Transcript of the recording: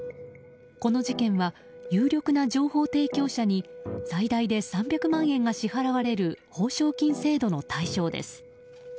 この事件は、有力な情報提供者に最大で３００万円が支払われる報奨金制度の対象です。